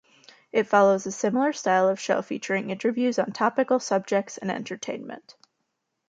It follows a similar style of show, featuring interviews on topical subjects and entertainment.